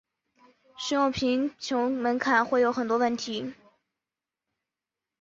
使用贫穷门槛会有很多问题。